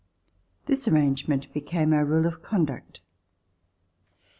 This arrangement became our rule of conduct.